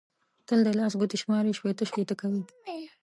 تل د لاس ګوتې شماري؛ شپېته شپېته کوي.